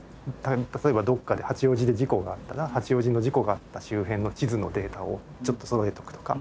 例えばどこかで八王子で事故があったら八王子の事故があった周辺の地図のデータをちょっとそろえておくとか。